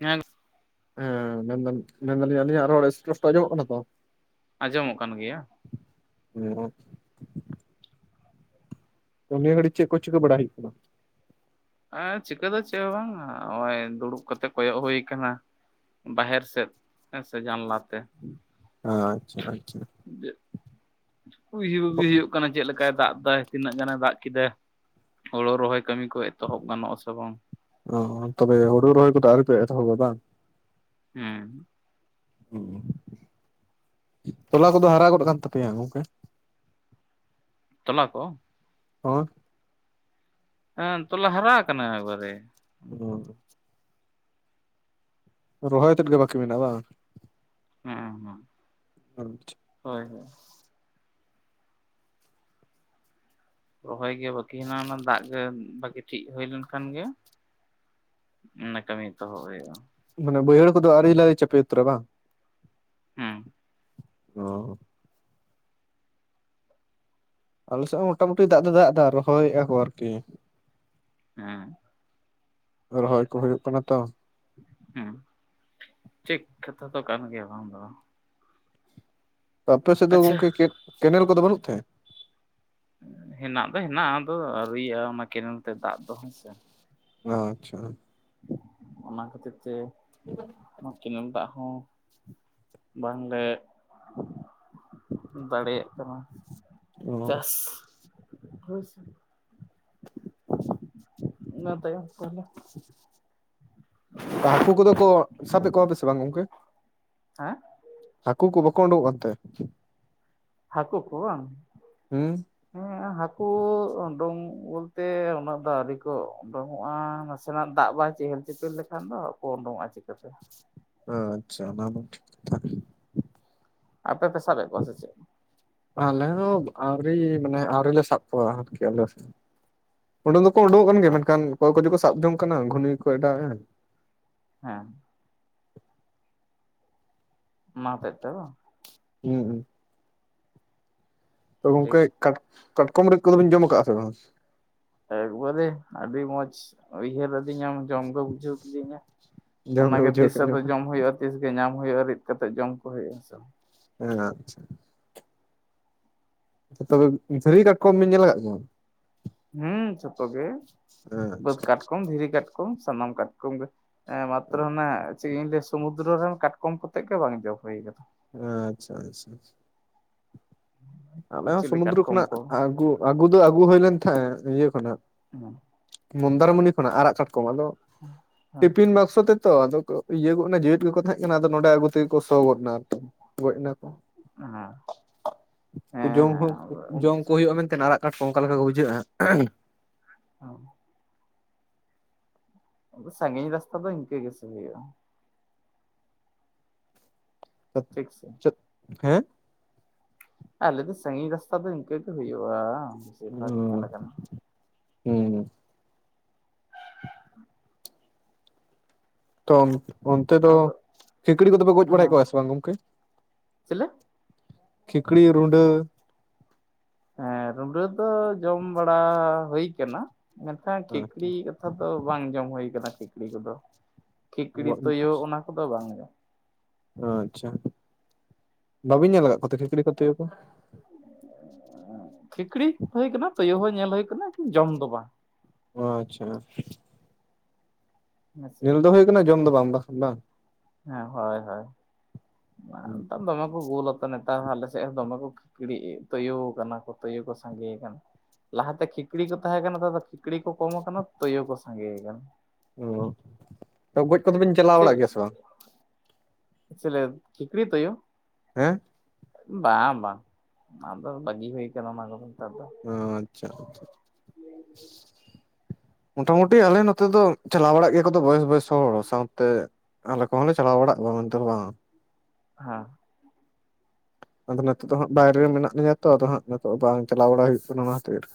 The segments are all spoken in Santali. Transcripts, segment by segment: ᱦᱮᱸ ᱦᱮᱸ ᱢᱮᱱᱫᱟᱱ ᱢᱮᱱ ᱫᱟᱞᱤᱧ ᱟᱞᱤᱧ ᱟᱜ ᱨᱚᱲ ᱤᱥ ᱯᱚᱥᱴᱚ ᱟᱡᱚᱢ ᱚᱜ ᱠᱟᱱᱟ ᱛᱚ? ᱟᱸᱡᱚᱢᱚᱜ ᱠᱟᱱ ᱜᱮᱭᱟ, [unintelligible] ᱱᱤᱭᱟᱹ ᱜᱷᱟᱹᱲᱤᱡ ᱪᱮᱫ ᱠᱚ ᱪᱤᱠᱟᱹ ᱵᱟᱲᱟ ᱦᱩᱭᱩᱜ ᱠᱟᱱᱟ ᱦᱮᱸ ᱪᱤᱠᱟᱹ ᱫᱚ ᱪᱮᱫ ᱦᱚᱸ ᱵᱟᱝ ᱱᱚᱜ-ᱚᱭ ᱫᱩᱲᱩᱵ ᱠᱟᱛᱮᱜ ᱠᱚᱭᱚᱜ ᱦᱩᱭ ᱠᱟᱱᱟ ᱵᱟᱦᱮᱨ ᱥᱮᱫ ᱦᱮᱸᱥᱮ ᱡᱟᱱᱞᱟᱛᱮ ᱟᱪᱪᱷᱟ ᱟᱪᱪᱷᱟ [inaudible] ᱦᱩᱭᱩᱜ ᱠᱟᱱᱟ ᱪᱮᱫ ᱞᱮᱠᱟᱭ ᱫᱟᱜ ᱮ ᱫᱟᱭ ᱛᱤᱱᱟᱹᱜ ᱜᱟᱱᱮ ᱫᱟᱜ ᱠᱮᱫᱟ ᱦᱳᱲᱳ ᱨᱚᱦᱚᱭ ᱠᱟᱹᱢᱤ ᱠᱚ ᱮᱛᱚᱦᱚᱵ ᱜᱟᱱᱚᱜ-ᱟ ᱥᱮ ᱵᱟᱝ ᱚ, ᱛᱚᱵᱮ ᱦᱩᱲᱩ ᱨᱚᱦᱚᱭ ᱠᱚᱫᱚ ᱟᱹᱣᱨᱤ ᱯᱮ ᱮᱛᱚᱦᱚᱵᱟ ᱵᱟᱝ ᱦᱮᱸ ᱦᱩᱸ, ᱛᱚᱞᱟ ᱠᱚᱫᱚ ᱦᱟᱨᱟ ᱜᱚᱫ ᱠᱟᱱ ᱛᱟᱯᱮᱭᱟ ᱜᱚᱝᱠᱮ ᱛᱚᱞᱟ ᱠᱚ [unintelligible] ᱦᱮᱸ ᱛᱚᱞᱟ ᱦᱟᱨᱟ ᱠᱟᱱᱟ ᱮᱠᱵᱟᱨᱮ [unintelligible] ᱨᱚᱦᱚᱭ ᱛᱮᱫ ᱜᱮ ᱵᱟᱠᱤ ᱢᱮᱱᱟᱜ-ᱟ ᱵᱟᱝ ᱦᱮᱸ ᱦᱮᱸ [unintelligible] ᱦᱳᱭ ᱦᱳᱭ ᱨᱚᱦᱚᱭ ᱜᱮ ᱵᱟᱠᱤ ᱦᱮᱱᱟᱜ ᱟ ᱚᱱᱟ ᱫᱟᱜ ᱜᱮ ᱵᱟᱠᱤ ᱴᱷᱤᱠ ᱦᱩᱭ ᱞᱮᱱᱠᱷᱟᱱ ᱜᱮ ᱚᱱᱟ ᱠᱟᱹᱢᱤ ᱮᱛᱚᱦᱚᱵ ᱦᱩᱭᱩᱜᱼᱟ ᱢᱟᱱᱮ ᱵᱟᱹᱭᱦᱟᱲ ᱠᱚᱫᱚ ᱟᱣᱨᱤ ᱞᱟᱞᱮ ᱪᱟᱯᱮ ᱩᱛᱟᱹᱨᱚᱜ-ᱟ ᱵᱟᱝ ᱦᱮᱸ ᱚ ᱟᱞᱮᱮᱥᱮᱫ ᱦᱚ ᱢᱚᱴᱟᱟᱢᱩᱴᱤ ᱫᱟᱜ ᱫᱚ ᱫᱟᱜ ᱮ ᱫ ᱨᱚᱦᱚᱭᱮᱫᱼᱟ ᱠᱚ ᱟᱨᱠᱤ ᱦᱮᱸ ᱨᱚᱦᱚᱭ ᱠᱚ ᱦᱩᱭᱩᱜ ᱠᱟᱱᱟ ᱛᱚ ᱦᱮᱸ ᱴᱷᱤᱠ ᱠᱟᱛᱷᱟ ᱫᱚ ᱠᱟᱱ ᱜᱮᱭᱟ ᱵᱟᱝ ᱫᱚ ᱵᱟᱝ ᱟᱯᱮᱥᱮᱫ ᱫᱚ ᱟᱪᱪᱷᱟ ᱜᱚᱝᱠᱮ ᱪᱮᱫ ᱠᱮᱱᱮᱞ ᱠᱚᱫᱚ ᱵᱟᱱᱩᱜ ᱛᱮ ᱦᱮᱱᱟᱜ ᱫᱚ ᱦᱮᱱᱟᱜᱼᱟ ᱟᱫᱚ ᱟᱹᱣᱨᱤᱭᱟᱜᱼᱟ ᱚᱱᱟ ᱠᱮᱱᱮᱞ ᱛᱮ ᱫᱟᱜ ᱫᱚ ᱦᱮᱸᱥᱮ ᱟᱪᱪᱷᱟ ᱚᱱᱟ ᱠᱷᱟᱹᱛᱤᱨ ᱛᱮ [inaudible] ᱫᱟᱜ ᱦᱚᱸ ᱵᱟᱝᱞᱮ ᱫᱟᱲᱮᱭᱟᱜ ᱠᱟᱱᱟ ᱚ ᱪᱟᱥ ᱦᱳᱭ ᱥᱮ ᱤᱱᱟᱹ ᱛᱟᱭᱚᱢ ᱛᱟᱦᱞᱮ ᱦᱟᱠᱩ ᱠᱚᱫᱚ ᱠᱚ ᱥᱟᱵᱮᱫ ᱠᱚᱣᱟ ᱯᱮᱥᱮ ᱵᱟᱝ ᱜᱚᱝᱠᱮ ᱦᱮᱸ ᱦᱟᱹᱠᱩ ᱠᱚ ᱵᱟᱠᱚ ᱩᱰᱩᱝᱚᱜ ᱠᱟᱱᱛᱮ ᱦᱟᱠᱩ ᱠᱚᱣᱟᱝ ᱦᱮᱸ [inaudible] ᱦᱟᱹᱠᱩ ᱩᱰᱩᱝ ᱵᱚᱞᱛᱮ ᱩᱱᱟᱹᱜ ᱫᱚ ᱟᱹᱣᱨᱤ ᱠᱚ ᱩᱰᱩᱝᱚᱜᱼᱟ ᱱᱟᱥᱮᱱᱟᱜ ᱫᱟᱜ ᱵᱟᱭ ᱪᱮᱦᱮᱞᱼᱼ ᱪᱮᱯᱮᱞ ᱞᱮᱠᱷᱟᱱ ᱫᱚ ᱠᱚ ᱩᱰᱚᱝᱚᱜᱼᱟ ᱪᱤᱠᱟᱹᱛᱮ? ᱟᱪᱪᱷᱟ ᱚᱱᱟ ᱫᱚ ᱴᱷᱤᱠ ᱠᱟᱛᱷᱟ ᱟᱯᱮ ᱯᱮ ᱥᱟᱵ ᱮᱫ ᱠᱚᱣᱟ ᱥᱮ ᱪᱮᱫ ᱟᱞᱮ ᱦᱚᱸ ᱟᱹᱣᱨᱤ ᱢᱟᱱᱮ ᱟᱹᱣᱨᱤ ᱞᱮ ᱥᱟᱵ ᱠᱚᱣᱟ ᱟᱨᱠᱤ ᱟᱞᱮ ᱥᱮ ᱩᱰᱩᱠ ᱫᱚᱠᱚ ᱩᱰᱩᱠᱚᱜ ᱠᱟᱱ ᱜᱮᱭᱟ ᱢᱮᱱᱠᱷᱟᱱ ᱟᱪᱪᱷᱟ ᱚᱠᱚᱭ ᱠᱚᱫᱚ ᱠᱚ ᱥᱟᱵ ᱡᱚᱝ ᱠᱟᱱᱟ ᱜᱷᱩᱱᱤ ᱠᱚ ᱟᱰᱟᱣᱮᱜᱼᱟ ᱦᱮᱸ ᱚᱱᱟ ᱦᱚᱛᱮᱡᱛᱮ ᱵᱟᱝ ᱦᱩᱸ ᱦᱩᱸ ᱛᱚ, ᱴᱷᱤᱠ ᱜᱚᱝᱠᱮ ᱠᱟᱴ ᱠᱟᱴᱠᱚᱢ ᱨᱤᱫ ᱠᱚᱫᱚ ᱵᱤᱱ ᱡᱚᱢ ᱟᱠᱟᱜᱼᱟ ᱥᱮ ᱵᱟᱝ ᱮᱠᱵᱟᱨᱮ ᱟᱹᱰᱤ ᱢᱚᱸᱡᱽ ᱩᱭᱦᱟᱹᱨ ᱟᱹᱫᱤᱧᱟᱢ ᱡᱚᱢ ᱜᱮ ᱵᱩᱡᱷᱟᱹᱣ ᱠᱤᱫᱤᱧᱟ ᱡᱚᱢ ᱜᱮ ᱚᱱᱟᱜᱮ ᱵᱩᱡᱷᱟᱹᱣ ᱛᱤᱥ ᱠᱮᱫ ᱞᱤᱧᱟ ᱟᱫᱚ ᱡᱚᱢ ᱦᱩᱭᱩᱜᱼᱟ ᱛᱤᱥ ᱜᱮ ᱧᱟᱢ ᱦᱩᱭᱩᱜᱼᱟ ᱨᱤᱫ ᱠᱟᱛᱮᱜ ᱡᱚᱢ ᱠᱚ ᱦᱩᱭᱩᱜᱼᱟ ᱦᱮᱸ ᱥᱮ ᱦᱮᱸ ᱟᱪᱪᱷᱟ ᱛᱚᱵᱮ ᱫᱷᱤᱨᱤ ᱠᱟᱴᱠᱚᱢ ᱵᱮᱱ ᱧᱮᱞ ᱟᱠᱟᱜ ᱠᱚᱣᱟ? ᱦᱮᱸ ᱡᱷᱚᱛᱚ ᱜᱮ ᱵᱟᱹᱫᱽ ᱠᱟᱴᱠᱚᱢ ᱫᱷᱤᱨᱤ ᱠᱟᱴᱠᱚᱢ ᱥᱟᱱᱟᱢ ᱠᱟᱴᱠᱚᱢ ᱜᱮ᱾ ᱦᱮᱸ ᱢᱟᱛᱨᱚ ᱚᱱᱮ ᱪᱮᱫ ᱤᱧ ᱞᱟᱹᱭᱟ ᱥᱚᱢᱩᱫᱨᱚ ᱨᱮᱱ ᱠᱟᱴᱠᱚᱢ ᱠᱚᱛᱮᱜ ᱜᱮ ᱵᱟᱝ ᱡᱚᱢ ᱦᱩᱭ ᱟᱠᱟᱱᱟ᱾ ᱟᱪᱪᱷᱟ ᱟᱪᱪᱷᱟ᱾ ᱟᱞᱮ ᱦᱚᱸ ᱠᱩᱪᱞᱤ ᱥᱚᱢᱩᱫᱨᱚ ᱠᱟᱴᱠᱚᱢ ᱠᱷᱚᱱᱟᱜ ᱠᱚ ᱟᱹᱜᱩ ᱟᱹᱜᱩ ᱫᱚ ᱟᱹᱜᱩ ᱦᱩᱭ ᱞᱮᱱ ᱛᱟᱦᱮᱸᱜ ᱤᱭᱟᱹ ᱠᱷᱚᱱᱟᱜ [inaudible] ᱢᱚᱱᱫᱚᱨᱢᱩᱱᱤ ᱠᱷᱚᱱᱟᱜ ᱟᱨᱟᱜ ᱠᱟᱴᱠᱚᱢ ᱟᱫᱚ ᱦᱮᱸ ᱴᱤᱯᱤᱱ ᱵᱟᱠᱥᱚ ᱛᱮ ᱛᱚ ᱟᱫᱚ ᱤᱭᱟᱹ ᱜᱚᱫ ᱮᱱᱟ ᱡᱮᱣᱮᱫ ᱜᱮᱠᱚ ᱛᱟᱦᱮᱸᱜ ᱠᱟᱱᱟ ᱟᱫᱚ ᱱᱚᱰᱮ ᱟᱜᱩ ᱛᱮᱜᱮ ᱠᱚ ᱥᱚ ᱜᱚᱫ ᱮᱱᱟ ᱟᱨ ᱜᱚᱡ ᱮᱱᱟ ᱠᱚ᱾ ᱦᱮᱸ ᱦᱮᱸ ᱡᱚᱢ ᱦᱚᱸ ᱡᱚᱢ ᱠᱚ ᱦᱩᱭᱩᱜᱼᱟ ᱢᱮᱱᱛᱮ ᱟᱨᱟᱜ ᱠᱟᱴᱠᱚᱢ ᱚᱠᱟ ᱞᱮᱠᱟ ᱠᱚ ᱵᱩᱡᱷᱟᱹᱜᱼᱟ? [inaudible] ᱥᱟᱺᱜᱤᱧ ᱨᱟᱥᱛᱟ ᱫᱚ ᱤᱱᱠᱟᱹ ᱜᱮ ᱥᱮ ᱦᱩᱭᱩᱜᱼᱟ᱾ ᱴᱷᱤᱠ ᱥᱮ ᱪᱮᱫ ᱦᱮᱸ ᱟᱞᱮ ᱫᱚ ᱥᱟᱺᱜᱤᱧ ᱨᱟᱥᱛᱟ ᱫᱚ ᱤᱱᱠᱟᱹ ᱜᱮ ᱦᱩᱭᱩᱜᱼᱟ᱾ ᱵᱷᱟᱜᱽ ᱧᱮᱞ ᱚ ᱟᱠᱟᱱᱟ ᱦᱩᱸ ᱛᱚ ᱚᱱᱛᱮ ᱫᱚ ᱟᱫᱚ ᱠᱷᱤᱠᱲᱤ ᱠᱚᱫᱚ ᱯᱮ ᱜᱚᱡ ᱵᱟᱲᱟᱭᱮᱫ ᱦᱮᱸ ᱠᱚᱣᱟ ᱥᱮ ᱵᱟᱝ ᱜᱚᱝᱠᱮ? ᱪᱮᱞᱮ ᱠᱷᱤᱠᱲᱤ ᱨᱩᱸᱰᱟᱹ᱾ ᱦᱮᱸ ᱨᱩᱸᱰᱟᱹ ᱫᱚ ᱡᱚᱢ ᱵᱟᱲᱟ ᱦᱩᱭ ᱠᱟᱱᱟ ᱢᱮᱱᱠᱷᱟᱱ ᱠᱷᱤᱠᱲᱤ [inaudible] ᱫᱚ ᱵᱟᱝ ᱡᱚᱢ ᱦᱩᱭ ᱠᱟᱱᱟ ᱠᱷᱤᱠᱲᱤ ᱠᱚᱫᱚ ᱠᱷᱤᱠᱲᱤ ᱛᱳᱭᱳ ᱚᱱᱟ ᱠᱚᱫᱚ ᱵᱟᱝ ᱡᱚᱢ ᱟᱪᱷᱟ, ᱵᱟᱹᱵᱤᱱ ᱧᱮᱞ ᱟᱠᱟᱫ ᱠᱚᱛᱮ ᱠᱷᱤᱠᱲᱤ ᱠᱚ ᱛᱳᱭᱳ ᱠᱚ? ᱠᱷᱤᱠᱲᱤ [unintelligible] ᱦᱩᱭ ᱠᱟᱱᱟ ᱛᱩᱭᱩ ᱦᱚᱸ ᱧᱮᱞ ᱦᱩᱭ ᱠᱟᱱᱟ ᱡᱚᱢ ᱫᱚ ᱵᱟᱝ᱾ ᱟᱪᱷᱟ᱾ ᱦᱮᱸᱥᱮ ᱧᱮᱞ ᱫᱚ ᱦᱩᱭ ᱟᱠᱟᱱᱟ ᱡᱚᱢ ᱫᱚ ᱵᱟᱝ ᱵᱟ ᱵᱟᱝ ᱦᱮᱸ ᱦᱳᱭ ᱦᱳᱭ [inaudible] ᱫᱚᱢᱮ ᱠᱚ ᱜᱳᱞᱟ ᱱᱮᱛᱟᱨ ᱦᱟᱞᱮ ᱥᱮᱫ ᱦᱚᱸ ᱫᱚᱢᱮ ᱠᱚ ᱠᱷᱤᱠᱲᱤᱜ ᱛᱩᱭᱩ ᱟᱠᱟᱱᱟ ᱠᱚ ᱛᱩᱭᱩ ᱠᱚ ᱥᱟᱸᱜᱮ ᱟᱠᱟᱱᱟ᱾ ᱞᱟᱦᱟ ᱛᱮ ᱠᱷᱤᱠᱲᱤ ᱠᱚ ᱛᱟᱦᱮᱸ ᱠᱟᱱᱟ ᱛᱚ ᱫᱚ ᱠᱷᱤᱠᱲᱤ ᱠᱚ ᱠᱚᱢ ᱟᱠᱟᱱᱟ ᱛᱩᱭᱩ ᱠᱚ ᱥᱟᱸᱜᱮ ᱟᱠᱟᱱᱟ᱾ ᱦᱚ, ᱜᱚᱡ ᱠᱚᱫᱚ ᱵᱮᱱ ᱪᱟᱞᱟᱣ ᱪᱮᱫ ᱵᱟᱲᱟᱜ ᱜᱮᱭᱟ ᱥᱮ ᱵᱟᱝ? ᱪᱮᱞᱮ ᱴᱷᱤᱠᱲᱤ ᱛᱳᱭᱳ᱾ ᱦᱮᱸ᱾ ᱵᱟᱝ ᱵᱟᱝ ᱟᱫᱚ ᱵᱟᱹᱜᱤ ᱦᱩᱭ ᱠᱟᱱᱟ ᱚᱱᱟ ᱠᱚ ᱫᱚ ᱱᱮᱛᱟᱨ ᱫᱚ ᱚ ᱟᱪᱪᱷᱟ ᱟᱪᱪᱷᱟ᱾ ᱢᱚᱴᱟᱢᱩᱴᱤ ᱟᱞᱮ ᱱᱚᱛᱮ ᱫᱚ ᱪᱟᱞᱟᱣ ᱵᱟᱲᱟᱜ ᱜᱮᱭᱟ ᱠᱚᱛᱚ ᱵᱚᱭᱮᱥ ᱵᱚᱭᱮᱥ ᱦᱚᱲ ᱥᱟᱶᱛᱮ ᱟᱞᱮ ᱠᱚᱦᱚᱸ ᱞᱮ ᱪᱟᱞᱟᱣ ᱵᱟᱲᱟᱜ [inaudible] ᱛᱚᱞᱢᱟ᱾ ᱦᱮᱸ ᱟᱫᱚ ᱱᱤᱛᱚᱜ ᱫᱚ ᱦᱟᱸᱜ ᱵᱟᱭᱨᱮ ᱨᱮ ᱢᱮᱱᱟᱜ ᱞᱤᱧᱟ ᱛᱚ ᱟᱫᱚ ᱦᱟᱸᱜ ᱱᱤᱛᱚᱜ ᱫᱚ ᱵᱟᱝ ᱪᱟᱞᱟᱣ ᱵᱟᱲᱟ ᱦᱩᱭᱩᱜ ᱠᱟᱱᱟ ᱚᱱᱟ ᱦᱚᱛᱤᱨ ᱾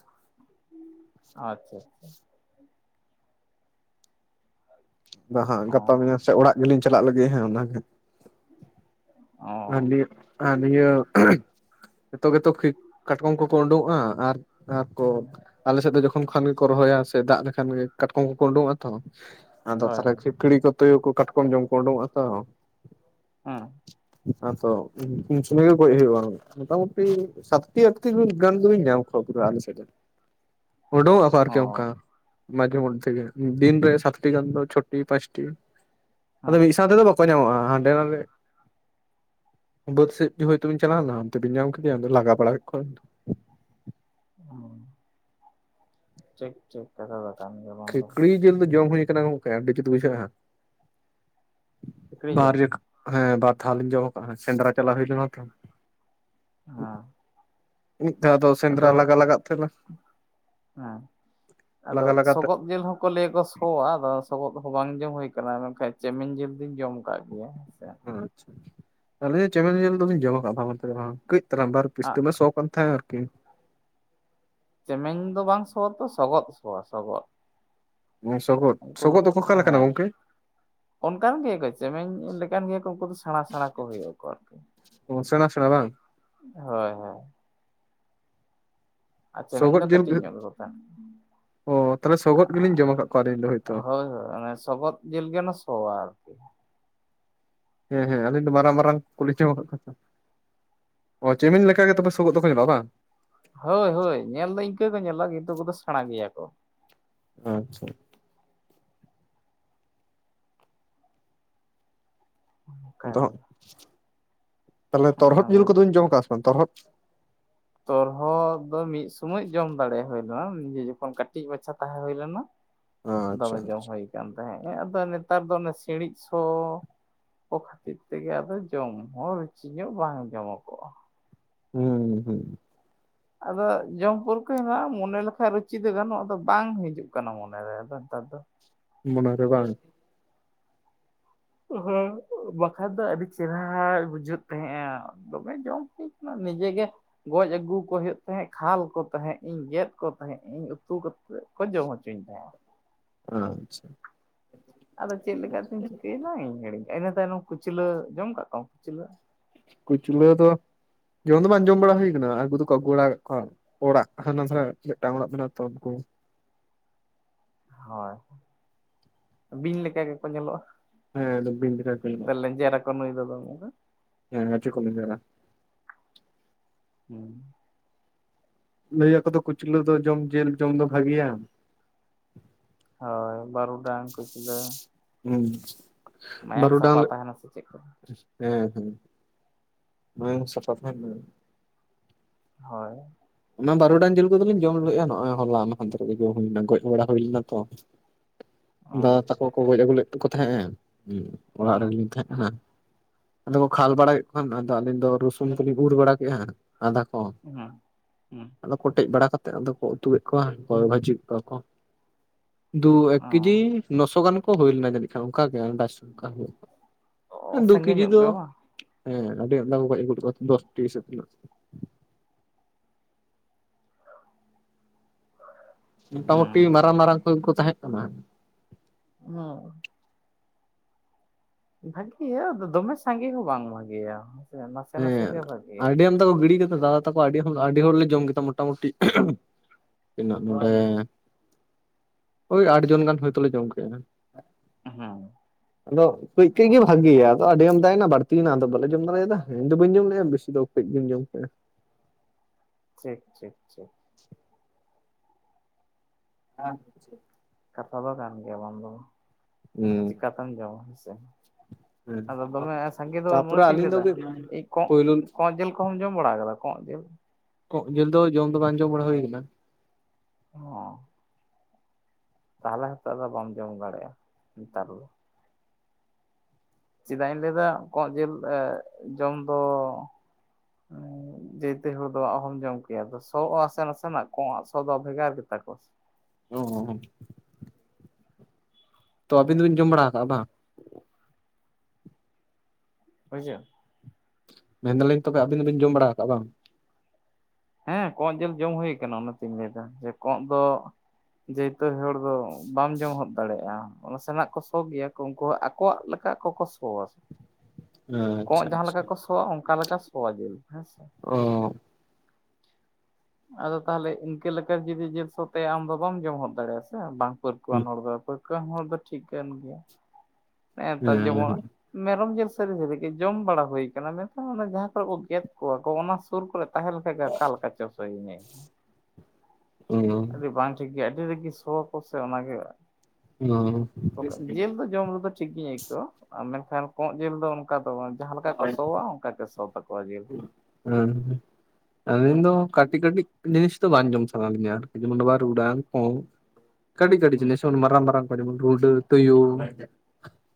ᱟᱪᱪᱷᱟ ᱟᱪᱪᱷᱟ᱾ ᱵᱟ ᱦᱟᱸᱜ ᱜᱟᱯᱟ ᱢᱮᱭᱟᱝ ᱥᱮ ᱚᱲᱟᱜ ᱜᱮᱞᱤᱧ ᱪᱟᱞᱟᱜ ᱞᱟᱹᱜᱤᱫ ᱦᱟᱸᱜ ᱚᱱᱟ ᱜᱮ᱾ ᱟᱨ ᱱᱤᱭᱟᱹ ᱟᱨ ᱱᱤᱭᱟᱹ [inaudible] ᱱᱤᱛᱚᱜ ᱜᱮ ᱛᱚ ᱠᱷᱤᱠ ᱠᱟᱴᱠᱚᱢ ᱠᱚ ᱠᱚ ᱩᱸᱰᱩᱝᱚᱜᱼᱟ ᱟᱨ, ᱟᱨ ᱠᱚ ᱟᱞᱮ ᱥᱮᱫ ᱫᱚ ᱡᱚᱠᱷᱚᱱ ᱠᱷᱟᱱ ᱜᱮ ᱠᱚ ᱨᱚᱦᱚᱭᱟ ᱥᱮ ᱫᱟᱜ ᱞᱮᱠᱷᱟᱱ ᱜᱮ ᱠᱟᱴᱠᱚᱢ ᱠᱚ ᱠᱚ ᱩᱸᱰᱩᱝᱚᱜ-ᱟ ᱛᱚ᱾ ᱟᱫᱚ ᱥᱟᱨᱮ ᱠᱷᱤᱠᱲᱤ ᱠᱚ ᱛᱩᱭᱩ ᱠᱚ ᱠᱟᱴᱠᱚᱢ ᱡᱚᱢ ᱠᱚ ᱩᱸᱰᱩᱝᱚᱜ-ᱟ ᱛᱚ᱾ ᱦᱮᱸ ᱦᱟᱸ ᱛᱚ ᱥᱚᱢᱚᱭᱤ ᱜᱮ ᱜᱚᱡ ᱦᱩᱭᱩᱜᱼᱟ᱾ ᱢᱚᱴᱟᱢᱩᱴᱤ ᱥᱟᱛᱴᱤ ᱟᱴᱛᱤ ᱜᱟᱱ ᱫᱚᱞᱤᱧ ᱧᱟᱢ [unintelligible] ᱟᱞᱤᱧ ᱥᱮᱫ [inaudible] ᱩᱰᱩᱝᱼᱚᱜ ᱟᱠᱚ ᱟᱨ ᱠᱤ ᱚᱱᱠᱟ ᱾ ᱢᱟᱡᱷᱮ ᱢᱚᱫᱷᱮ ᱜᱮ ᱫᱤᱱᱨᱮ ᱥᱟᱛᱴᱤ ᱜᱟᱱ ᱫᱚ ᱪᱷᱚᱴᱤ ᱯᱟᱸᱪᱴᱤ ᱾ ᱟᱫᱚ ᱦᱮᱸ ᱢᱤᱫ ᱥᱟᱶ ᱛᱮᱫᱚ ᱵᱟᱠᱚ ᱧᱟᱢᱚᱜᱼᱟ ᱦᱟᱸᱰᱮ ᱱᱟᱰᱮ᱾ ᱵᱟᱹᱫᱽ ᱥᱮᱫ ᱦᱚᱭᱛᱵᱤᱱ ᱪᱟᱞᱟᱣᱱᱟ ᱚᱱᱛᱮᱵᱤᱱ ᱧᱟᱢ ᱠᱮᱫᱮᱭᱟ ᱟᱫᱚ ᱞᱟᱜᱟ ᱵᱟᱲᱟ ᱠᱮ ᱠᱚᱣᱟ ᱵᱮᱱ᱾ ᱦᱚᱸ᱾ ᱴᱷᱤᱠ ᱴᱷᱤᱠ ᱠᱟᱛᱷᱟ ᱫᱚ ᱠᱟᱱ ᱜᱮᱭᱟ ᱵᱟᱱᱫᱚ ᱾ ᱠᱷᱤᱠᱲᱤ ᱡᱤᱞ ᱫᱚ ᱡᱚᱢ ᱦᱩᱭ ᱠᱟᱱᱟ ᱜᱚᱝᱠᱮ ᱟᱵᱤ ᱡᱩᱛ ᱵᱩᱡᱷᱟᱹᱜ-ᱟ ᱦᱟᱸ ᱥᱩᱠᱨᱤ ᱡᱤᱞ ᱵᱟᱨᱭᱟᱠᱟ ᱾ ᱦᱮᱸ ᱵᱟᱨ ᱫᱷᱟᱣ ᱞᱤᱧ ᱡᱚᱢ ᱠᱟᱜᱼᱟ ᱥᱮᱸᱫᱽᱨᱟ ᱪᱟᱞᱟ ᱦᱩᱭ ᱞᱮᱱᱟ ᱛᱚ᱾ ᱦᱟᱸ᱾ ᱢᱤᱫ ᱫᱷᱟᱣ ᱫᱚ ᱥᱮᱸᱫᱽᱨᱟ ᱞᱟᱜᱟ ᱞᱟᱜᱟ ᱛᱮ ᱦᱮᱸ ᱞᱟᱜᱟ ᱞᱟᱜᱟ ᱛᱮ ᱾ ᱠᱚ ᱞᱟᱹᱭᱟᱠᱚ ᱥᱚᱜᱼᱟ ᱟᱫᱚ ᱥᱚᱜᱚᱫ ᱦᱚᱸ ᱵᱟᱝ ᱡᱚᱢ ᱦᱩᱭ ᱠᱟᱱᱟ ᱢᱮᱱᱠᱷᱟᱱ ᱪᱮᱢᱮᱧ ᱡᱤᱞ ᱫᱩᱧ ᱡᱚᱢ ᱟᱠᱟᱫ ᱜᱮᱭᱟ ᱦᱮᱸ ᱥᱮ ᱾ ᱟᱪᱪᱷᱟ ᱟᱞᱤᱧᱦᱚᱸ ᱪᱮᱢᱮᱞ ᱡᱮᱞ ᱫᱚᱞᱤᱧ ᱡᱚᱢ ᱠᱟᱜᱼᱟ ᱵᱟᱝ ᱢᱮᱱᱛᱮ ᱫᱚ ᱵᱟᱝ, ᱠᱟᱹᱡ ᱾ ᱵᱟᱨ ᱯᱤᱥᱴᱟᱹ ᱟᱜ ᱢᱟ ᱥᱚ ᱠᱟᱱ ᱛᱟᱦᱮᱼᱟ ᱟᱨᱠᱤ ᱾ ᱪᱮᱢᱮᱝ ᱫᱚ ᱵᱟᱝ ᱥᱚᱣᱟ ᱛᱚ ᱥᱚᱜᱚᱫ ᱥᱚᱣᱟ ᱥᱚᱜᱚᱫ ᱾ ᱥᱚᱜᱚᱫ ᱥᱚᱜᱚᱫ ᱫᱚ ᱚᱠᱟᱞᱮᱠᱟᱱᱟ ᱦᱮᱸ ᱜᱚᱝᱠᱮ ᱾ ᱚᱱᱠᱟᱱ ᱜᱮᱭᱟ ᱠᱚ ᱪᱮᱢᱮᱧ ᱞᱮᱠᱟᱱ ᱜᱮᱭᱟ ᱠᱚ ᱩᱱᱠᱩ ᱫᱚ ᱥᱮᱬᱟ ᱥᱮᱬᱟ ᱠᱚ ᱦᱩᱭᱩᱜ ᱟᱠᱚ ᱟᱨᱠᱤ ᱾ ᱚ ᱥᱮᱬᱟ ᱥᱮᱬᱟ ᱵᱟᱝ ᱾ ᱦᱳᱭ ᱦᱳᱭ ᱾ ᱟᱨ ᱪᱮᱢᱮᱧ ᱥᱚᱜᱚᱫ ᱫᱚ ᱡᱤᱞ ᱠᱟᱹᱴᱤᱡ ᱧᱚᱜ ᱜᱮᱠᱚ ᱛᱟᱦᱮᱱᱟ ᱚ ᱛᱟᱦᱚᱞᱮ ᱥᱚᱜᱚᱫ ᱜᱮᱞᱤᱧ ᱡᱚᱢ ᱟᱠᱟᱫ ᱠᱚᱣᱟ ᱟᱹᱞᱤᱧ ᱫᱚ ᱾ ᱟᱹᱹᱹ ᱦᱳᱭᱛᱳ ᱦᱳᱭ ᱦᱳᱭ ᱚᱱᱮ ᱥᱚᱜᱚᱫ ᱾ ᱡᱤᱞ ᱜᱮ ᱚᱱᱟ ᱥᱚᱣᱟ ᱟᱨᱠᱤ ᱾ ᱦᱮᱸ ᱦᱮᱸ ᱟᱹᱞᱤᱧ ᱫᱚ ᱢᱟᱨᱟᱝ ᱢᱟᱨᱟᱝ ᱠᱚᱞᱮᱡᱽ, ᱪᱮᱢᱮᱧ ᱞᱮᱠᱟ ᱜᱮ ᱛᱚ ᱥᱟᱯᱮ ᱾ [unintelligible] ᱦᱳᱭ ᱦᱳᱭ ᱧᱮᱞ ᱫᱚ ᱤᱱᱠᱟᱹ ᱠᱚ ᱧᱮᱞᱚᱜ ᱠᱤᱱᱛᱩ ᱩᱠᱩᱫᱚ ᱥᱮᱬᱟ ᱜᱮᱭᱟ ᱠᱚ ᱾ ᱟᱪᱪᱷᱟ ᱾ ᱚᱱᱠᱟᱜᱮ ᱟᱫᱚᱜ ᱛᱟᱦᱞᱮ ᱛᱚᱨᱦᱚᱫ ᱡᱤᱞ ᱠᱚᱫᱚᱧ ᱡᱚᱢ ᱠᱟᱜ ᱥᱮ ᱵᱟᱝ ᱛᱚᱨᱦᱚᱫ ᱾ ᱛᱚᱨᱦᱚᱫ ᱫᱚ ᱢᱤᱫ ᱥᱳᱢᱚᱭ ᱡᱚᱢ ᱫᱟᱲᱮ ᱦᱳ ᱞᱮᱱᱟ ᱱᱤᱡᱮ ᱡᱚᱠᱷᱚᱱ ᱠᱟᱹᱴᱤᱡ ᱢᱟᱪᱷᱟ ᱛᱟᱦᱮᱸ ᱦᱩᱭᱳ ᱞᱮᱱᱟ ᱾ ᱫᱚᱢᱮ ᱟᱪᱪᱷᱟ ᱡᱚᱢ ᱟᱪᱪᱷᱟ ᱦᱩᱭ ᱟᱠᱟᱱ ᱛᱟᱦᱮᱸᱜ ᱟᱫᱚ ᱱᱮᱛᱟᱨ ᱫᱚ ᱚᱱᱮ ᱥᱤᱬᱤᱡ ᱥᱚ ᱾ ᱠᱚ ᱠᱷᱟᱹᱛᱤᱨ ᱛᱮᱜᱮ ᱟᱫᱚ ᱡᱚᱢ ᱦᱚᱸ ᱨᱩᱪᱤ ᱧᱚᱜ ᱵᱟᱝ ᱡᱚᱢ ᱠᱚ ᱚᱜᱼᱟ ᱾ ᱦᱩᱸ ᱦᱩᱸ ᱾ ᱟᱫᱚ ᱡᱚᱢ ᱯᱟᱨᱠᱚ ᱦᱮᱱᱟᱜᱼᱟ ᱢᱚᱱᱮ ᱞᱮᱠᱟ ᱨᱩᱪᱤ ᱫᱚ ᱜᱟᱱᱚᱜᱼᱟ ᱟᱫᱚ ᱵᱟᱝ ᱦᱤᱡᱩᱜ ᱠᱟᱱᱟ ᱢᱚᱱᱮᱨᱮ ᱟᱫᱚ ᱱᱮᱛᱟᱨ ᱫᱚ ᱾ ᱢᱚᱱᱮ ᱨᱮ ᱵᱟᱝ ᱾ ᱦᱮᱸ ᱵᱟᱠᱷᱟᱱ ᱫᱚ ᱟᱹᱰᱤ ᱪᱮᱦᱟᱨᱟ ᱵᱩᱡᱷᱟᱹᱜ ᱛᱟᱦᱮᱸᱼᱟ ᱫᱚᱢᱮ ᱡᱚᱢ ᱦᱩᱭ ᱠᱟᱱᱟ ᱱᱤᱡᱮᱜᱮ ᱾ ᱜᱚᱡ ᱟᱹᱜᱩ ᱠᱚ ᱦᱩᱭᱩᱜ ᱛᱟᱦᱮᱸᱜ ᱠᱷᱟᱞ ᱠᱚ ᱛᱟᱦᱮᱸᱫ ᱤᱧ ᱜᱮᱫ ᱠᱚ ᱛᱟᱦᱮᱸᱫ ᱤᱧ ᱩᱛᱩ ᱾ ᱠᱚ ᱡᱚᱢ ᱦᱚᱪᱚᱧ ᱛᱟᱦᱮᱸᱼᱟ ᱾ ᱟ ᱟᱪᱪᱷᱟ ᱾ ᱟᱫᱚ ᱪᱮᱫ ᱞᱮᱠᱟᱛᱤᱧ ᱪᱤᱠᱟᱹᱭᱱᱟ ᱤᱧ ᱦᱤᱲᱤᱧ ᱠᱮ ᱟ ᱤᱱᱟᱹ ᱛᱟᱭᱱᱚᱢ ᱠᱩᱪᱞᱟᱹ ᱡᱚᱢ ᱠᱟᱜ ᱠᱚᱣᱟᱢ ᱠᱩᱪᱞᱟᱹ᱾ ᱠᱩᱪᱞᱟᱹ ᱫᱚ ᱡᱚᱢ ᱫᱚ ᱵᱟᱝ ᱡᱚᱢ ᱵᱟᱲᱟ ᱦᱩᱭ ᱠᱟᱱᱟ ᱟᱜᱩ ᱫᱚ ᱠᱚ ᱟᱜᱩ ᱵᱟᱲᱟ ᱟᱠᱟᱫᱟ ᱠᱚᱣᱟ ᱾ ᱚᱲᱟ ᱦᱟᱱᱟ ᱥᱟᱜ ᱢᱤᱫᱴᱟᱝ ᱚᱲᱟᱜ ᱢᱮᱱᱟᱜ ᱟᱜ ᱛᱚ ᱾ ᱦᱳᱭ ᱵᱤᱧ ᱞᱮᱠᱟ ᱜᱮ ᱠᱚ ᱧᱮᱞᱚᱜ-ᱟ ᱦᱮᱸ ᱵᱤᱧ ᱞᱮᱠᱟ ᱜᱮᱠᱚ ᱧᱮᱞᱚᱜ-ᱟ [unintelligible] [unintelligible] ᱦᱩᱸ ᱾ ᱞᱟᱹᱭ ᱟᱠᱚ ᱫᱚ ᱠᱩᱪᱞᱟᱹ ᱫᱚ ᱡᱚᱢ ᱡᱤᱞ ᱡᱚᱢ ᱫᱚ ᱵᱷᱟ. ᱜᱮᱭᱟ ᱾ ᱦᱳᱭ ᱵᱟᱨᱩᱰᱟᱝ ᱠᱩᱪᱞᱟᱹ ᱾ ᱦᱩᱸ ᱵᱟᱨᱩᱰᱟᱝ ᱥᱟᱯᱷᱟ ᱞᱮ ᱛᱟᱦᱮᱱᱟ ᱥᱮ ᱪᱮᱫ ᱠᱚ ᱦᱮᱸ ᱦᱮᱸ ᱥᱟᱯᱟ ᱛᱟᱦᱮᱱ ᱾ ᱦᱳᱭ ᱾ ᱚᱱᱟ ᱵᱟᱨᱚᱴᱟᱝ ᱡᱤᱞ ᱠᱚᱫᱚᱞᱤᱧ ᱡᱚᱢ ᱞᱮᱼᱟ ᱱᱚᱜᱼᱚᱭ ᱦᱚᱞᱟ ᱢᱟᱦᱫᱮᱨ ᱜᱮ ᱡᱚᱢ ᱦᱩᱭ ᱞᱮᱱᱟ ᱜᱚᱡ ᱵᱟᱲᱟ ᱦᱩᱭ ᱞᱮᱱᱟ ᱛᱚ ᱾ ᱦᱩᱸ ᱫᱟᱫᱟ ᱛᱟᱠᱚ ᱠᱚ ᱜᱚᱡ ᱟᱹᱜᱩ ᱞᱮᱫ ᱠᱚ ᱛᱟᱦᱮᱸᱱᱟ ᱦᱮ ᱚᱲᱟᱜ ᱦᱩᱸ ᱨᱮᱜ ᱞᱤᱧ ᱛᱟᱦᱮᱸᱜ ᱠᱟᱱᱟ᱾ ᱟᱫᱚ ᱠᱚ ᱠᱷᱟᱞ ᱵᱟᱲᱟ ᱠᱮᱫ ᱠᱷᱟᱱ ᱟᱫᱚ ᱟᱞᱤᱧ ᱫᱚ ᱨᱚᱥᱩᱱ ᱠᱚᱞᱤᱧ ᱩᱨ ᱵᱟᱲᱟ ᱠᱮᱜ-ᱟ ᱟᱫᱟ ᱠᱚ ᱦᱮᱸ ᱦᱩᱸ ᱟᱫᱚ ᱠᱚᱴᱮᱡ ᱵᱟᱲᱟ ᱠᱟᱛᱮᱫ ᱟᱫᱚ ᱠᱚ ᱩᱛᱩ ᱠᱮᱫ ᱠᱚᱣᱟ ᱠᱚ ᱵᱷᱟᱡᱤ ᱠᱮᱫ ᱠᱚᱣᱟ ᱠᱚ᱾ ᱫᱩ ᱮᱠ ᱦᱩᱸ ᱠᱮᱡᱤ ᱱᱚᱥᱚ ᱜᱟᱱ ᱠᱚ ᱦᱩᱭ ᱞᱮᱱᱟ ᱡᱟᱹᱱᱤᱡ ᱠᱷᱟᱱ ᱚᱱᱠᱟ ᱜᱮ ᱟᱱᱫᱟᱡ ᱚᱱᱠᱟ ᱦᱩᱭᱩᱜ ᱟ ᱚ ᱫᱩ ᱥᱟᱸᱜᱮ ᱠᱤᱡᱤ ᱧᱚᱜ ᱫᱚ ᱜᱮ ᱵᱟᱝ ᱦᱮᱸ ᱟᱰᱤ ᱟᱢᱫᱟ ᱠᱩ ᱜᱚᱡ ᱟᱹᱜᱩ ᱞᱮᱫ ᱠᱚᱣᱟ ᱫᱚᱥ ᱴᱤ ᱥᱮ ᱛᱤᱱᱟᱹᱜ ᱦᱩᱸ ᱢᱚᱴᱟᱢᱩᱴᱤ ᱢᱟᱨᱟᱝ ᱢᱟᱨᱟᱝ ᱠᱚ ᱜᱮ ᱠᱚ ᱛᱟᱦᱮᱸ ᱠᱟᱱᱟ ᱚᱸ ᱵᱷᱟᱜᱤ ᱭᱟ ᱟᱫᱚ ᱫᱚᱢᱮ ᱥᱟ ᱜᱮ ᱦᱚᱸ ᱵᱟᱝ ᱵᱷᱟᱜᱮ ᱭᱟ ᱦᱮᱸ ᱥᱮ ᱱᱟᱥᱮ ᱱᱟᱥᱮ ᱜᱮ ᱵᱷᱟᱜᱤ ᱭᱟ᱾ ᱫᱟ ᱛᱟᱠᱚ ᱜᱤᱰᱤ ᱠᱮᱫᱟ ᱫᱟᱫᱟ ᱛᱟᱠᱚ ᱟᱹᱰᱤ ᱦᱚᱲ ᱞᱮ ᱡᱚᱢ ᱠᱮᱫᱟ ᱢᱚᱴᱟ ᱢᱩᱴᱤ ᱛᱤᱱᱟᱹᱜ ᱱᱚᱰᱮ ᱳᱭ ᱟᱴ ᱡᱚᱱ ᱜᱟᱱ ᱦᱳᱭ ᱚᱛ ᱞᱮ ᱡᱚᱢ ᱠᱮᱫ-ᱟ ᱦᱮᱸ ᱟᱫᱚ ᱠᱟᱺᱡ ᱠᱟᱺᱡ ᱜᱮ ᱵᱷᱟᱜᱮᱭᱟ ᱟᱫᱚ ᱟᱰᱤ ᱟᱢᱫᱟᱭᱱᱟ ᱵᱟᱲᱛᱤᱭᱱᱟ ᱟᱫᱚ ᱵᱟᱞᱮ ᱡᱚᱢ ᱫᱟᱲᱮᱭᱟᱫᱟ ᱤᱧᱫᱚ ᱵᱟᱹᱧ ᱡᱚᱢ ᱞᱮᱜ-ᱟ ᱵᱮᱥᱤ ᱫᱚ ᱠᱟᱺᱡ ᱜᱤᱧ ᱡᱚᱢ ᱠᱮᱜ-ᱟ ᱴᱷᱤᱠ ᱴᱷᱤᱠ ᱴᱷᱤᱠ ᱟᱪᱪᱷᱟ ᱠᱟᱛᱷᱟ ᱫᱚ ᱠᱟᱱ ᱜᱮᱭᱟ ᱵᱟᱝ ᱫᱚ ᱦᱩᱸ ᱪᱤᱠᱟᱛᱮᱢ ᱡᱚᱢᱟ ᱦᱮᱸ ᱥᱮ? ᱦᱩᱸ ᱟᱫᱚ ᱫᱚᱢᱮ ᱥᱟᱸᱜᱮ ᱫᱚ ᱢᱚᱱᱮ ᱛᱟᱯᱚᱨᱮ ᱛᱤᱧ ᱟᱹᱞᱤᱧ ᱞᱟᱹᱭ ᱫᱚ ᱫᱟ ᱠᱟᱹᱡ ᱠᱚᱸᱜ ᱯᱳᱭᱞᱳ ᱠᱚᱸᱜ ᱡᱮᱞ ᱠᱚᱸᱜ ᱮᱢ ᱡᱚᱢ ᱵᱟᱲᱟᱣ ᱠᱟᱫᱟ ᱠᱚᱸᱜ ᱡᱤᱞ ᱡᱚᱸᱜ ᱡᱤᱞ ᱫᱚ ᱡᱚᱢ ᱫᱚ ᱵᱟᱝ ᱡᱚᱢ ᱵᱟᱲᱟ ᱦᱩᱭ ᱠᱟᱱᱟ ᱦᱚᱸ ᱛᱟᱦᱟᱞᱮ ᱦᱤᱛᱚᱜ ᱫᱚ ᱵᱟᱢ ᱡᱚᱢ ᱫᱟᱲᱮᱭᱟᱜ-ᱟ ᱱᱮᱛᱟᱨ ᱫᱚ᱾ ᱪᱮᱫᱟᱜ ᱤᱧ ᱞᱟᱹᱭ ᱫᱟ ᱠᱚᱸᱜ ᱡᱤᱞ ᱡᱚᱢ ᱫᱚ ᱩᱸᱻ ᱡᱮᱛᱚ ᱦᱚᱲ ᱫᱚ ᱚᱦᱚᱢ ᱡᱚᱢ ᱠᱮᱭᱟ ᱟᱫᱚ ᱥᱚ ᱟ ᱥᱮ ᱱᱟᱥᱮᱱᱟᱜ ᱠᱚᱜ ᱟᱜ ᱥᱚ ᱫᱚ ᱵᱷᱮᱜᱟᱨ ᱜᱮᱛᱟ ᱠᱚᱣᱟ ᱦᱩᱸ ᱦᱩᱸ ᱛᱚ ᱟᱵᱤᱱ ᱫᱚ ᱵᱤᱱ ᱡᱚᱢ ᱵᱟᱲᱟ ᱟᱠᱟᱜ-ᱟ ᱵᱟᱝ? ᱦᱳᱭ ᱥᱮ ᱢᱮᱱ ᱫᱟᱞᱤᱧ ᱛᱚᱵᱮ ᱟᱵᱤᱱ ᱫᱚ ᱵᱤᱱ ᱡᱚᱢ ᱵᱟᱲᱟ ᱟᱠᱟᱫ-ᱟ ᱵᱟᱝ? ᱦᱮᱸ ᱠᱚᱸᱜ ᱡᱮᱞ ᱡᱚᱢ ᱦᱩᱭ ᱠᱟᱱᱟ ᱚᱱᱟ ᱛᱚᱧ ᱞᱟᱹᱭ ᱫᱟ ᱡᱮ ᱠᱚᱸᱜ ᱫᱚ ᱡᱮᱭᱛᱚ ᱦᱚᱲ ᱫᱚ ᱵᱟᱢ ᱡᱚᱢ ᱦᱚᱫ ᱫᱟᱲᱮᱭᱟᱜ-ᱟ ᱱᱟᱥᱮᱱᱟᱜ ᱠᱚ ᱥᱚ ᱜᱮᱭᱟ᱾ ᱠᱚ ᱩᱝᱠᱩ ᱟᱠᱚᱣᱟᱜ ᱞᱮᱠᱟ ᱟᱠᱚ ᱠᱚ ᱥᱚᱣᱟ ᱠᱚᱸᱜ ᱟᱪᱪᱷᱟ ᱡᱟᱦᱟᱸ ᱟᱪᱪᱷᱟ ᱞᱮᱠᱟ ᱠᱚ ᱥᱚᱣᱟ ᱚᱱᱠᱟ ᱞᱮᱠᱟ ᱥᱚᱣᱟ ᱡᱤᱞ ᱦᱮᱸ ᱥᱮ ᱚᱻ ᱟᱫᱚ ᱛᱟᱦᱞᱮ ᱤᱝᱠᱟᱹ ᱞᱮᱠᱟ ᱡᱩᱫᱤ ᱡᱤᱞ ᱥᱚ ᱛᱟᱭᱟ ᱟᱢ ᱫᱚ ᱵᱟᱢ ᱡᱚᱢ ᱦᱚᱫ ᱫᱟᱲᱮᱭᱟᱜ-ᱟ ᱥᱮ ᱵᱟᱝ ᱯᱟᱹᱨᱠᱟᱹᱣᱟᱱ ᱦᱚᱲ ᱫᱚ ᱯᱟᱹᱨᱠᱟᱹᱣᱟᱱ ᱦᱚᱲ ᱫᱚ ᱴᱷᱤᱠ ᱠᱟᱱ ᱜᱮᱭᱟ ᱦᱮᱜᱮ ᱱᱮᱛᱟᱨ ᱡᱮᱢᱚᱱ ᱦᱮᱸ ᱢᱮᱨᱚᱢ ᱡᱤᱞ ᱥᱟᱨᱤ ᱵᱷᱟᱜᱤ ᱴᱷᱤᱠ ᱡᱚᱢ ᱵᱟᱲᱟ ᱦᱩᱭ ᱠᱟᱱᱟ ᱢᱮᱱᱠᱷᱟᱱ ᱚᱱᱟ ᱡᱟᱦᱟᱸ ᱠᱚᱨᱮ ᱠᱚ ᱜᱮᱫ ᱠᱚᱣᱟ ᱠᱚ ᱚᱱᱟ ᱥᱩᱨ ᱠᱚᱨᱮ ᱛᱟᱦᱮᱸ ᱞᱮᱱᱠᱷᱟᱡ ᱜᱮ ᱟᱠᱟ ᱞᱮᱠᱟ ᱪᱚ ᱥᱚᱹᱭᱮᱧᱟ ᱤᱧ ᱚ ᱟᱹᱰᱤ ᱵᱟᱝ ᱴᱷᱤᱠ ᱟᱹᱰᱤ ᱨᱮᱜᱤᱸ ᱥᱚ ᱣᱟᱠᱚ ᱚᱱᱟ ᱜᱮ ᱡᱤᱞ ᱫᱚ ᱡᱚᱢ ᱨᱮ ᱫᱚ ᱴᱷᱤᱠ ᱜᱤᱧ ᱟᱹᱭᱠᱟᱹᱣ ᱟ ᱢᱮᱱᱠᱷᱟᱱ ᱠᱚᱸᱜ ᱡᱤᱞ ᱫᱚ ᱚᱱᱠᱟ ᱫᱚ ᱵᱟᱝ ᱡᱟᱦᱟ ᱞᱮᱠᱟ ᱠᱚ ᱥᱚᱣᱟ ᱚᱱᱠᱟ ᱜᱮ ᱥᱚ ᱛᱟᱠᱚᱣᱟ ᱡᱤᱞ ᱦᱩᱸ ᱟᱞᱤᱧ ᱫᱚ ᱠᱟᱹᱴᱤᱡ ᱠᱟᱹᱴᱤᱡ ᱡᱤᱱᱤᱥ ᱫᱚ ᱵᱟᱝ ᱡᱚᱢ ᱥᱟᱱᱟ ᱞᱤᱧᱟ ᱡᱮᱢᱚᱱ ᱵᱟᱨᱩᱰᱟᱝ ᱠᱚᱜ ᱠᱟᱴᱤᱡ ᱠᱟᱴᱤᱡ ᱦᱩᱸ ᱡᱤᱱᱤᱥ ᱡᱮᱢᱚᱱ ᱢᱟᱨᱟᱢ ᱢᱟᱨᱟᱢ ᱠᱚ ᱨᱩᱰᱟᱸ ᱛᱩᱭᱩ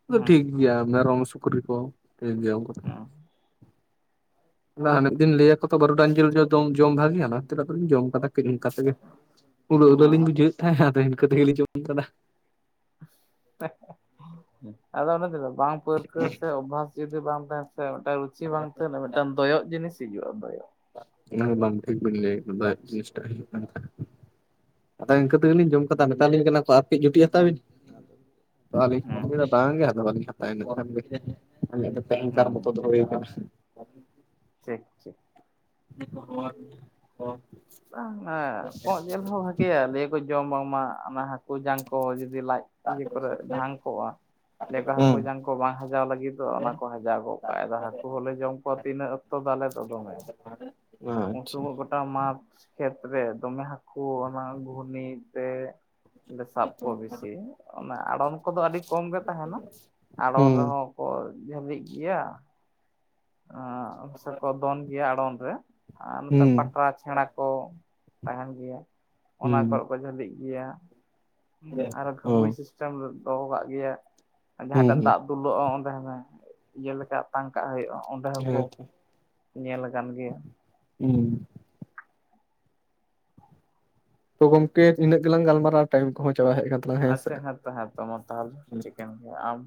ᱟᱫᱚ ᱦᱩᱸ ᱴᱷᱤᱠ ᱜᱮᱭᱟ ᱢᱮᱨᱚᱢ ᱥᱩᱠᱨᱤ ᱠᱚ ᱴᱷᱤᱠ ᱜᱮᱭᱟ᱾ ᱫᱚ ᱦᱩ ᱦᱟᱱᱮ ᱢᱤᱫ ᱫᱤᱱ ᱞᱟᱹᱭᱟᱠᱚ ᱛᱚ ᱵᱟᱨᱩᱰᱟᱝ ᱡᱤᱞ ᱡᱚᱢ ᱡᱚᱢ ᱵᱷᱟᱜᱮᱭᱟ ᱚᱱᱟ ᱠᱷᱟᱛᱤᱨ ᱟᱫᱚ ᱞᱤᱧ ᱡᱚᱢ ᱠᱟᱫᱟ ᱠᱟᱹᱡ ᱤᱱᱠᱟ ᱛᱮᱜᱮ ᱩᱞᱟᱹ ᱩᱞᱟᱹ ᱞᱤᱧ ᱦᱩᱸ ᱵᱩᱡᱷᱟᱹᱣ ᱮᱫ ᱛᱟᱦᱮᱸᱫ ᱟᱫᱚ ᱤᱱᱠᱟᱹ ᱛᱮᱜᱮᱞᱤᱧ ᱡᱚᱢ ᱠᱟᱫᱟ ᱟᱫᱚ ᱚᱱᱟ ᱛᱮᱫᱚ ᱵᱟᱝ ᱯᱟᱹᱨᱠᱟᱹ ᱥᱮ ᱚᱵᱷᱟᱥ ᱡᱩᱫᱤ ᱵᱟᱝ ᱛᱟᱦᱮᱱ ᱥᱮ ᱢᱤᱫ ᱴᱟᱝ ᱨᱩᱪᱤ ᱵᱟᱝ ᱛᱟᱦᱮᱱᱟ ᱢᱤᱫ ᱴᱟᱝ ᱫᱚᱭᱚᱜ ᱡᱤᱱᱤᱥ ᱦᱤᱡᱩᱜᱼᱟ ᱫᱚᱭᱚᱜ ᱚᱱᱟ ᱵᱟᱢ ᱴᱷᱤᱠ ᱵᱤᱱ ᱞᱟᱹᱭ ᱫᱚ ᱡᱤᱱᱤᱥᱴᱟ ᱦᱩᱭᱩᱜ ᱠᱟᱱ ᱟᱫᱚ ᱤᱱᱠᱟᱹ ᱛᱮᱜᱮᱞᱤᱧ ᱡᱚᱢ ᱠᱟᱫᱟ ᱢᱮᱮᱛᱟᱞᱤᱧ ᱠᱟᱱᱟ ᱠᱚ ᱟᱨᱠᱮᱡ ᱡᱩᱴᱤᱡ ᱦᱟᱛᱟᱣ ᱵᱤᱱ ᱦᱩᱸ [inaudible] ᱵᱟᱝᱜᱮ ᱟᱫᱚ ᱵᱟᱹᱞᱤᱧ ᱦᱟᱛᱟᱭᱟ ᱟᱹᱧᱤᱞ ᱠᱷᱟᱱᱜᱮ [unintelligible] ᱛᱮᱦᱮᱧ ᱠᱟᱨ ᱦᱩᱸ ᱢᱚᱛᱚ ᱫᱚ ᱦᱩᱭ ᱱᱟᱥ᱾ ᱴᱷᱤᱠ ᱴᱷᱤᱠ [unintelligible] [unintelligible] ᱠᱚᱸᱜ ᱡᱮᱞ ᱦᱚᱸ ᱵᱷᱟᱜᱮᱭᱟ᱾ ᱞᱟᱹᱭᱟᱠᱚ ᱡᱚᱢ ᱵᱟᱝᱢᱟ ᱚᱱᱟ ᱦᱟᱜ ᱦᱟᱹᱠᱩ ᱡᱟᱝ ᱠᱚ ᱡᱩᱫᱤ ᱞᱟᱡ ᱤᱭᱟᱹ ᱠᱚᱨᱮ ᱰᱷᱟᱝ ᱠᱚᱜᱼᱟ᱾ ᱞᱟᱹᱭᱟᱠᱚ ᱦᱟᱹᱠᱩ ᱦᱩᱸ ᱡᱟᱝ ᱠᱚ ᱵᱟᱝ ᱦᱟᱡᱟᱣ ᱞᱟᱹᱜᱤᱫ ᱫᱚ ᱚᱱᱟ ᱠᱚ ᱦᱟᱡᱟᱣ ᱜᱚᱜ ᱠᱟᱜᱟᱭ ᱟᱫᱚ ᱦᱟᱹᱠᱩ ᱦᱚᱞᱮ ᱡᱚᱢ ᱠᱚᱣᱟ ᱛᱤᱱᱟᱹᱜ ᱛᱚ ᱛᱟᱦᱚᱞᱮ ᱫᱚ ᱫᱚᱢᱮ ᱩᱱ ᱟᱪᱪᱷᱟ ᱥᱩᱢᱩᱜ ᱜᱚᱴᱟ ᱢᱟᱴ ᱠᱷᱮᱛᱨᱮ ᱫᱚᱢᱮ ᱦᱟᱹᱠᱩ ᱚᱱᱟ ᱜᱷᱩᱱᱤ ᱛᱮ ᱞᱮ ᱥᱟᱵ ᱠᱚᱣᱟ ᱵᱮᱥᱤ ᱚᱱᱟ ᱟᱲᱚᱱ ᱠᱚᱫᱚ ᱟᱹᱰᱤ ᱠᱚᱢ ᱜᱮ ᱛᱟᱦᱮᱸᱱᱟ ᱟᱲᱚᱢ ᱦᱩᱸ ᱨᱮᱦᱚᱸ ᱠᱚ ᱡᱷᱟᱹᱞᱤᱜ ᱜᱮᱭᱟ ᱥᱮᱠᱚ ᱫᱚᱱ ᱜᱮᱭᱟ ᱟᱲᱚᱱ ᱨᱮ ᱟᱨ ᱱᱚᱛᱮ ᱦᱩᱸ ᱯᱟᱴᱲᱟ ᱪᱷᱮᱲᱟ ᱠᱚ ᱛᱟᱦᱮᱸᱱ ᱜᱮᱭᱟ ᱚᱱᱟ ᱦᱩᱸ ᱠᱚᱨᱮ ᱠᱚ ᱡᱷᱟᱹᱞᱤᱜ ᱜᱮᱭᱟ ᱟᱨᱚ ᱚ ᱜᱷᱟᱵᱩᱭ ᱥᱤᱥᱴᱮᱢ ᱫᱚᱦᱚ ᱠᱟᱜ ᱜᱮᱭᱟ ᱦᱩᱸ ᱡᱟᱦᱟᱸᱴᱮᱱ ᱦᱩᱸ ᱫᱟᱜ ᱛᱩᱞᱟᱹᱜᱼᱟ ᱚᱸᱰᱮ ᱦᱚᱸ ᱤᱭᱟᱹ ᱞᱮᱠᱟ ᱟᱛᱟᱝ ᱠᱟᱜ ᱦᱩᱭᱩᱜᱼᱟ ᱚᱸᱰᱮ ᱦᱚᱸᱠᱚ ᱦᱮᱸ ᱛᱚ ᱧᱮᱞ ᱟᱠᱟᱱ ᱜᱮᱭᱟ᱾ ᱦᱩᱸ ᱛᱚ ᱜᱚᱝᱠᱮ ᱤᱱᱟᱹᱜ ᱜᱮᱞᱟᱝ ᱜᱟᱞᱢᱟᱨᱟᱣ ᱴᱟᱭᱤᱢ ᱠᱚᱦᱚᱸ ᱪᱟᱵᱟᱜ ᱦᱮᱡ ᱠᱟᱱ ᱛᱟᱞᱟᱝᱟ ᱥᱮ ᱟᱪᱷᱟ ᱦᱮᱸ ᱛᱚ ᱦᱮᱸ ᱛᱚ ᱢᱟ ᱛᱟᱦᱚᱞᱮ ᱴᱷᱤᱠᱟᱹᱱ ᱜᱮᱭᱟ ᱟᱢ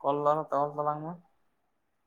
ᱠᱚᱞ ᱫᱚᱞ ᱛᱟᱞᱟᱝ ᱢᱮ